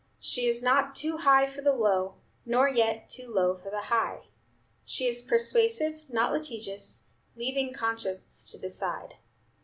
She is not too high for the low, nor yet too low for the high. She is persuasive, not litigious, leaving conscience to decide.